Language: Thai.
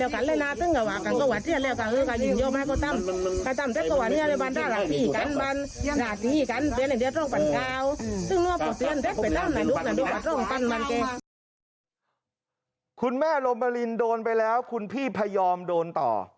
คุณแม่โรมารินโดนไปแล้วคุณพี่พยอมโดนต่อ